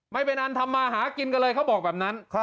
ไม่เป็นอันทำมาหากินกันเลยเขาบอกแบบนั้น